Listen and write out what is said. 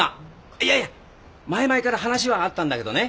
いやいや前々から話はあったんだけどね